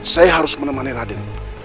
saya harus menemani raden